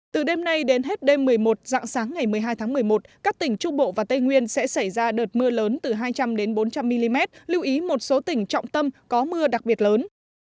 từ đêm nay đến hết đêm một mươi một dạng sáng ngày một mươi hai tháng một mươi một các tỉnh trung bộ và tây nguyên sẽ xảy ra đợt mưa lớn từ hai trăm linh bốn trăm linh mm lưu ý một số tỉnh trọng tâm có mưa đặc biệt lớn